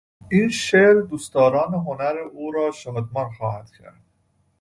این شعر دوستداران هنر او را شادمان خواهد کرد.